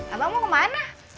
abang mau kemana